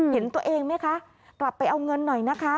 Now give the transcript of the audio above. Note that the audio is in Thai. เห็นตัวเองไหมคะกลับไปเอาเงินหน่อยนะคะ